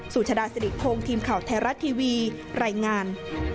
สุชดาสิริคงทีมข่าวไทยรัฐทีวีรายงาน